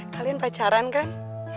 kalian pacaran kan